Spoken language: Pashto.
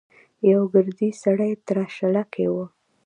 يوه ګردي سړی تراشله کې و.